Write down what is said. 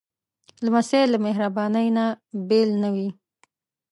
لمسی له مهربانۍ نه بېل نه وي.